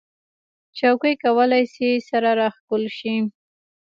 چوکۍ کولی شي سره راښکل شي.